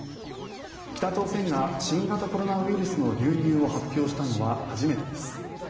北朝鮮が新型コロナウイルスの流入を発表したのは初めてです。